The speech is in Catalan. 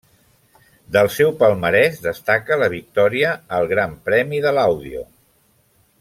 Del seu palmarès destaca la victòria al Gran Premi de Laudio.